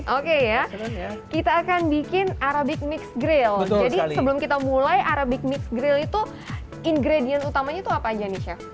oke ya kita akan bikin arabic mixed grill jadi sebelum kita mulai arabic mix grill itu ingredient utamanya itu apa aja nih chef